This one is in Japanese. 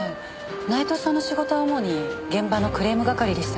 内藤さんの仕事は主に現場のクレーム係でしたから。